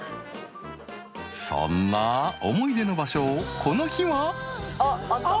［そんな思い出の場所をこの日は］